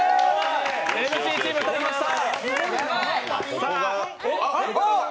ＭＣチーム、二人いきました。